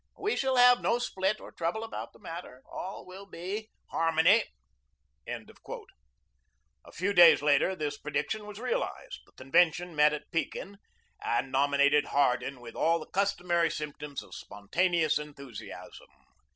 We shall have no split or trouble about the matter; all will be harmony." A few days later this prediction was realized. The convention met at Pekin, and nominated Hardin with all the customary symptoms of spontaneous enthusiasm.